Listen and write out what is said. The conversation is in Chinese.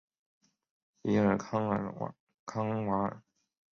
比尔康瓦尔。